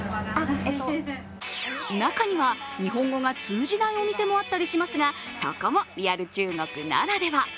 中には、日本語が通じないお店もあったりしますがそこもリアル中国ならでは。